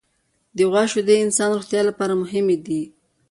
د غوا شیدې د انسان د روغتیا لپاره مهمې دي.